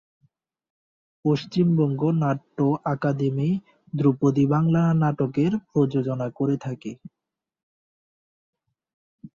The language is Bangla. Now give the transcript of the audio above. পশ্চিমবঙ্গ নাট্য আকাদেমি ধ্রুপদী বাংলা নাটকের প্রযোজনা করে থাকে।